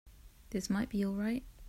That might be all right.